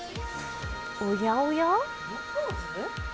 おやおや？